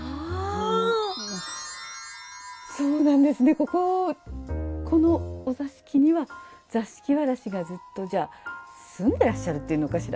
こここのお座敷にはざしきわらしがずっと住んでらっしゃるというのかしら？